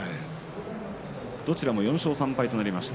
どちらも４勝３敗となりました。